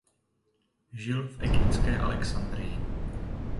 Žil v egyptské Alexandrii.